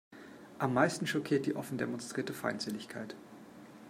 Am meisten schockiert die offen demonstrierte Feindseligkeit.